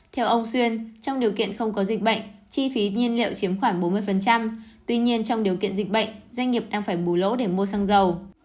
theo ông xuyên trong điều kiện không có dịch bệnh chi phí nhiên liệu chiếm khoảng bốn mươi tuy nhiên trong điều kiện dịch bệnh doanh nghiệp đang phải bù lỗ để mua xăng dầu